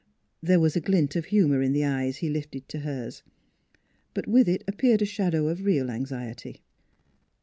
There was a glint of humor in the eyes he lifted to hers, but with it appeared a shadow of real anxiety.